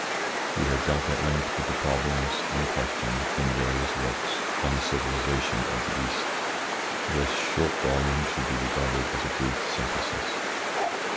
We have dealt at length with the problems in question in various works on the civilisations of the East. This short volume should be regarded as a brief synthesis.